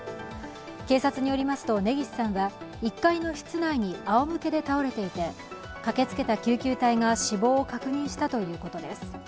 警察によりますと根岸さんは１階の室内にあおむけに倒れていて駆けつけた救急隊が死亡を確認したということです。